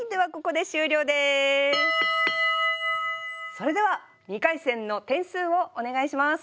それでは２回戦の点数をお願いします。